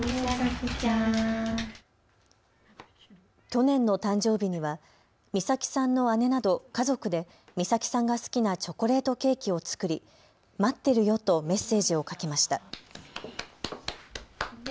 去年の誕生日には美咲さんの姉など家族で美咲さんが好きなチョコレートケーキを作りまってるよとメッセージを書きました。